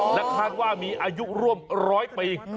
และคาดว่ามีอายุร่วมร้อยปี